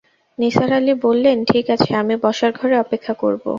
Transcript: নিসার আলি বললেন, ঠিক আছে, আমি বসার ঘরে অপেক্ষা করব।